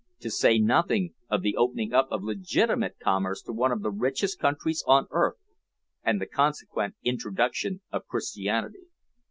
To say nothing of the opening up of legitimate commerce to one of the richest countries on earth, and the consequent introduction of Christianity."